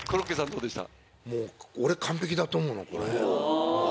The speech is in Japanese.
どうでした？